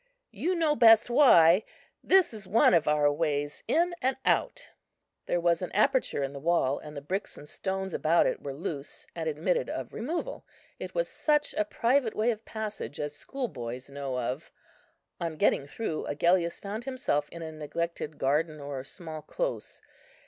"You know best why. This is one of our ways in and out." There was an aperture in the wall, and the bricks and stones about it were loose, and admitted of removal. It was such a private way of passage as schoolboys know of. On getting through, Agellius found himself in a neglected garden or small close.